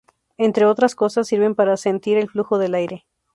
Entre otras cosas, sirven para sentir el flujo del aire.